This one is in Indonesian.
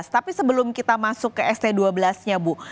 tapi sebelum kita masuk ke st dua belas nya bu